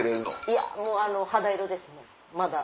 いやもう肌色ですまだ。